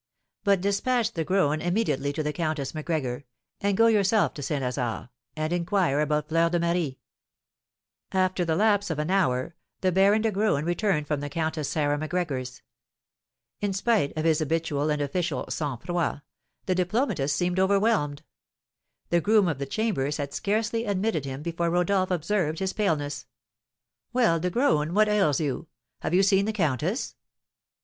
But despatch De Graün immediately to the Countess Macgregor, and go yourself to St. Lazare, and inquire about Fleur de Marie." After the lapse of an hour, the Baron de Graün returned from the Countess Sarah Macgregor's. In spite of his habitual and official sang froid, the diplomatist seemed overwhelmed; the groom of the chambers had scarcely admitted him before Rodolph observed his paleness. "Well, De Graün, what ails you? Have you seen the countess?"